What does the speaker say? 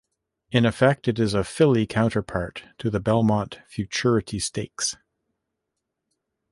In effect, it is a filly counterpart to the Belmont Futurity Stakes.